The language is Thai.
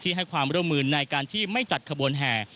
ให้ความร่วมมือในการที่ไม่จัดขบวนแห่